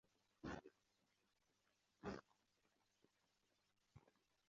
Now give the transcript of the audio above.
Augustino aliandika vitabu kadhaa kwa ajili yake.